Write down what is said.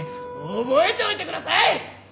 覚えておいてください！